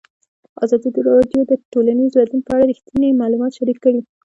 ازادي راډیو د ټولنیز بدلون په اړه رښتیني معلومات شریک کړي.